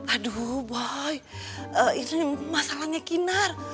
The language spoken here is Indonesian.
aduh boy ini masalahnya kinar